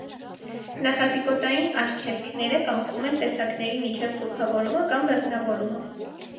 Նախազիգոտային արգելքները կանխում են տեսակների միջև զուգավորումը կամ բեղմնավորումը։